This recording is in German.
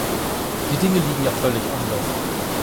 Die Dinge liegen ja völlig anders.